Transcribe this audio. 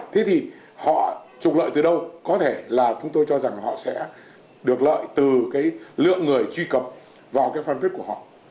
thế thì họ trục lợi từ đâu có thể là chúng tôi cho rằng họ sẽ được lợi từ cái lượng người truy cập vào cái fanpage của họ